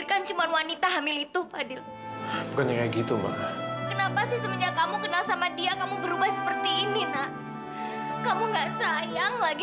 kalau begitu begini